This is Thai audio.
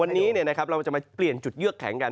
วันนี้เราจะมาเปลี่ยนจุดเยือกแข็งกัน